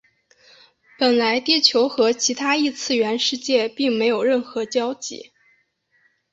本来地球和其他异次元世界并没有任何交集。